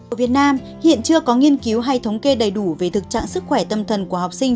ở việt nam hiện chưa có nghiên cứu hay thống kê đầy đủ về thực trạng sức khỏe tâm thần của học sinh